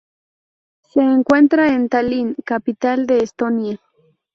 Se encuentra en Tallin, capital de Estonia.